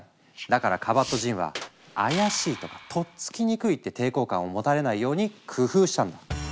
だからカバットジンは「怪しい」とか「とっつきにくい」って抵抗感を持たれないように工夫したんだ。